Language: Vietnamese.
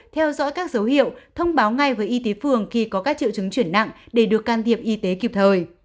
theo dõi các dấu hiệu thông báo ngay với y tế phường khi có các triệu chứng chuyển nặng để được can thiệp y tế kịp thời